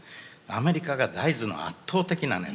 アメリカが大豆の圧倒的なね